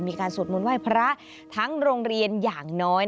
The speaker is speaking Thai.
สวดมนต์ไห้พระทั้งโรงเรียนอย่างน้อย